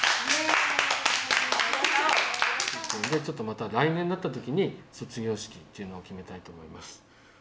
ちょっとまた来年になった時に卒業式っていうのを決めたいと思います。